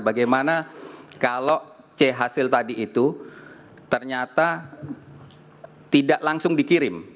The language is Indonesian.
bagaimana kalau c hasil tadi itu ternyata tidak langsung dikirim